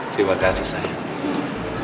terima kasih sayang